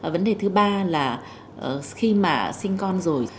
vấn đề thứ ba là khi mà sinh con rồi